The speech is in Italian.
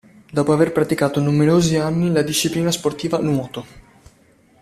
Dopo aver pratico numerosi anni la disciplina sportiva nuoto.